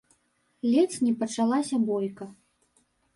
Ледзь не пачалася бойка.